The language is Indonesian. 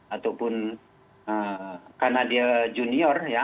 ataupun karena dia junior ya